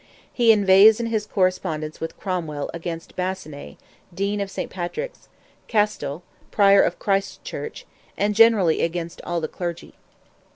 He inveighs in his correspondence with Cromwell against Bassenet, Dean of St. Patrick's, Castele, Prior of Christ's Church, and generally against all the clergy.